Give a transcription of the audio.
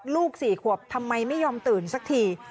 ๔ขวบทำไมไม่ยอมตื่นสักที